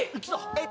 えっ？